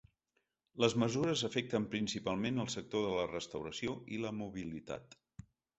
Les mesures afecten principalment el sector de la restauració i la mobilitat.